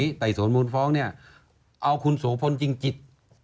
ไต่สวนมูลฟ้องเนี่ยเอาคุณโสพลจริงจิต